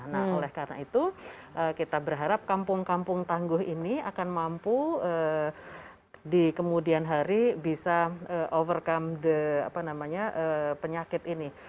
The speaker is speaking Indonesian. nah oleh karena itu kita berharap kampung kampung tangguh ini akan mampu di kemudian hari bisa overcome penyakit ini